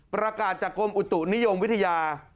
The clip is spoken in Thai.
ประกาศจากกรมอุตุนิยมวิทยา